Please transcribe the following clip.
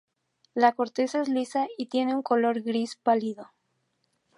La corteza es lisa y tiene un color gris pálido.